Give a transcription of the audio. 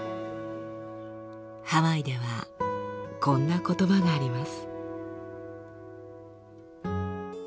ハワイではこんな言葉があります。